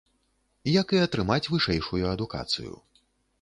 Як і атрымаць вышэйшую адукацыю.